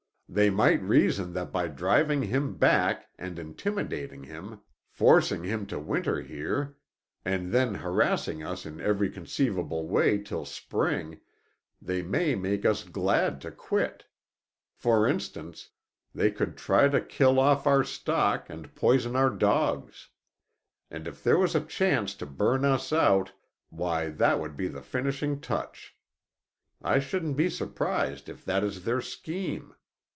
They might reason that by driving him back and intimidating him, forcing him to winter here, and then harassing us in every conceivable way till spring, they may make us glad to quit. For instance, they could try to kill off our stock and poison our dogs. And if there was a chance to burn us out, why that would be the finishing touch. I shouldn't be surprised if that is their scheme.